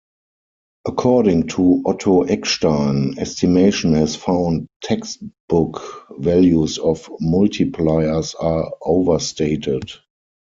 According to Otto Eckstein, estimation has found "textbook" values of multipliers are overstated.